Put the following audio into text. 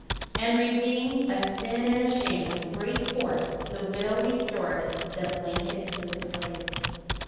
And repeating "a sin and a shame" with great force, the widow restored the blanket to its place.